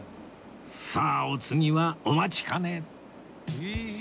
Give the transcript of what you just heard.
さあお次はお待ちかね！